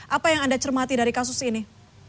apa yang anda cermati dari kasus ini